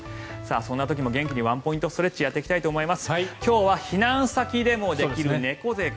そんな時も元気にワンポイントストレッチをやっていきます。